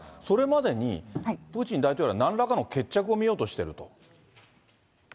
それまでにプーチン大統領はなんらかの決着をみようとしていると。